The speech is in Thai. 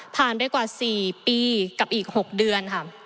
ผ่านได้กว่า๔ปีกับอีก๖เดือน